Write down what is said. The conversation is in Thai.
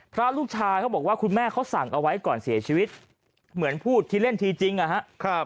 พระลูกชายเขาบอกว่าคุณแม่เขาสั่งเอาไว้ก่อนเสียชีวิตเหมือนพูดที่เล่นทีจริงนะครับ